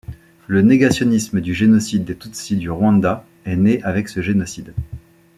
Le négationnisme du génocide des Tutsi du Rwanda est né avec ce génocide.